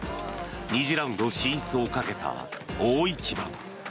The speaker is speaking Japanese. ２次ラウンド進出をかけた大一番。